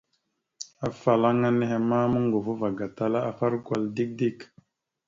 Afalaŋa nehe ma moŋgov ava gatala afarəkal ava dik dik.